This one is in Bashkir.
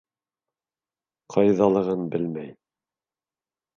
Ҡайҙалығын белмәй.